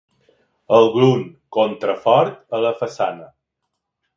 Algun contrafort a la façana.